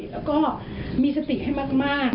แล้วก็มีสติให้มาก